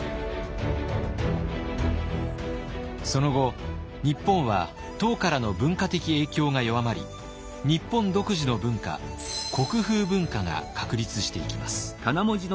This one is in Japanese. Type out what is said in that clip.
その後日本は唐からの文化的影響が弱まり日本独自の文化国風文化が確立していきます。